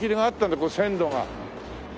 こう線路が。